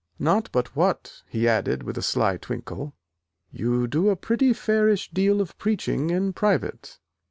Not but what," he added with a sly twinkle, "you do a pretty fairish deal of preaching in private."